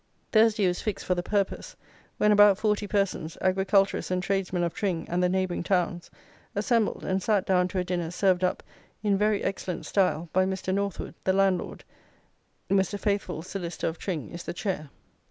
Thursday was fixed for the purpose; when about forty persons, agriculturists and tradesmen of Tring and the neighbouring towns, assembled, and sat down to a dinner served up in very excellent style, by Mr. Northwood, the landlord: Mr. Faithful, solicitor, of Tring, is the chair.